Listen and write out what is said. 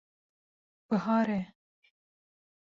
Bihar e.